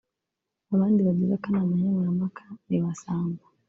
Abandi bagize akanama nkemurampaka ni Masamba